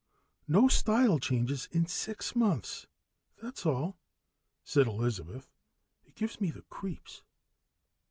"No style change in six months, that's all," said Elizabeth. "It gives me the creeps."